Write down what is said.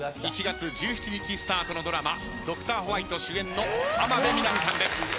１月１７日スタートのドラマ『ドクターホワイト』主演の浜辺美波さんです。